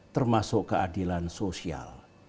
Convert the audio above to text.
termasuk keadilan sosial